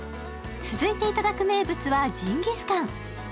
続いて頂く名物はジンギスカン。